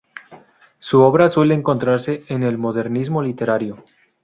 Su obra suele encontrarse en el modernismo literario.